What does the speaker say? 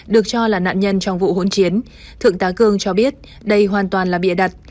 được cho là nạn nhân trong vụ hỗn chiến thượng tá cương cho biết đây hoàn toàn là bịa đặt